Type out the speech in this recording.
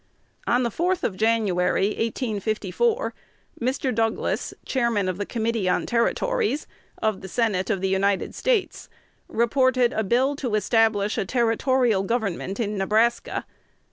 On the 4th of January, 1854, Mr. Douglas, Chairman of the Committee on Territories, of the Senate of the United States, reported a bill to establish a territorial government in Nebraska.